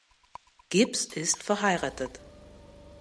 Gibbs ist verheiratet.